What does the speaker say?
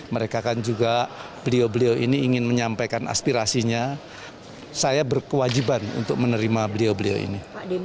mereka kan juga beliau beliau ini ingin menyampaikan aspirasinya saya berkewajiban untuk menerima beliau beliau ini